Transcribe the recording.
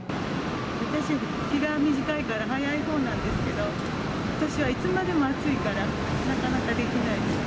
私は気が短いから早いほうなんですけど、ことしはいつまでも暑いから、なかなかできないです。